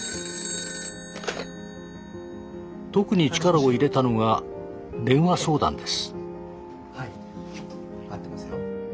☎特に力を入れたのが電話相談です。